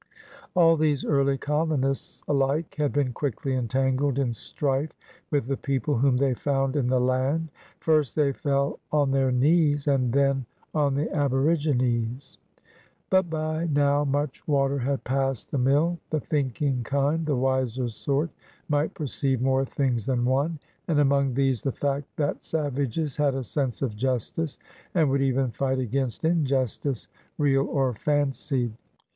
All these early colonists alike had been quickly entangled in strife with the people whom they found in the land. First they fell on their knees. And then on the Aborigines. But by now much water had passed the mill. The thinking kind, the wiser sort, might perceive more things than one, and among these the fact that 128 PIONEERS OF THE OLD SOUTH savages had a sense of justice and would even fight against injustice, real or fancied.